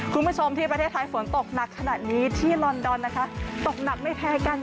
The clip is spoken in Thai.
คุณผู้ชมที่ประเทศไทยฝนตกหนักขนาดนี้ที่ลอนดอนนะคะตกหนักไม่แพ้กัน